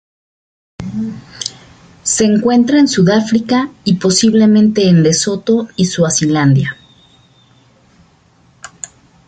Se encuentra en Sudáfrica y, posiblemente en Lesoto y Suazilandia.